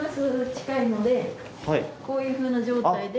こういうふうな状態で。